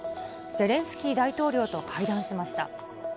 ゼレンスキー大統領と会談しました。